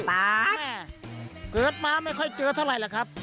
แม่เกิดมาไม่ค่อยเจอเท่าไหร่ล่ะครับ